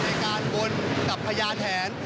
บางเขาเชื่อว่าจะผลในการบลกับพญาแทน